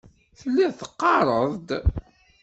Telliḍ teɣɣareḍ-d.